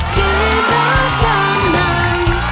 เกมรับจำนำ